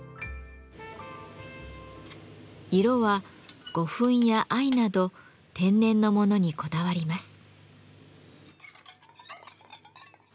色は胡粉や藍など天然のものにこだわります。